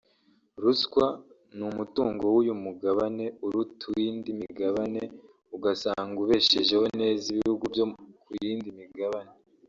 ruswa n’umutungo w’uyu mugabane uruta uw’indi migabane ugasanga ubeshejeho neza ibihugu byo ku yindi migabane